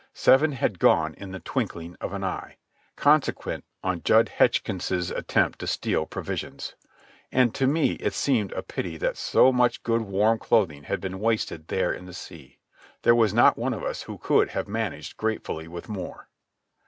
Seven had gone in the twinkling of an eye, consequent on Jud Hetchkins' attempt to steal provisions. And to me it seemed a pity that so much good warm clothing had been wasted there in the sea. There was not one of us who could not have managed gratefully with more.